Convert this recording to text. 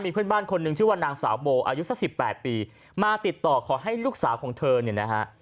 เพื่อนบ้านคนหนึ่งชื่อว่านางสาวโบอายุสักสิบแปดปีมาติดต่อขอให้ลูกสาวของเธอเนี่ยนะฮะ